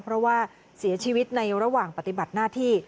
เพราะว่าเสียชีวิตในระหว่างปฏิบัติหน้าที่